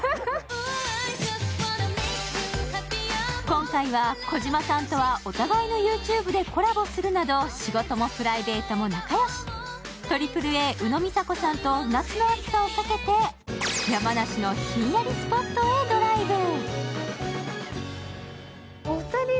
今回は児嶋さんとはお互いのＹｏｕＴｕｂｅでコラボするなど仕事もプライベートも仲良し、ＡＡＡ・宇野実彩子さんと夏の暑さを避けて山梨のひんやりスポットへドライブ。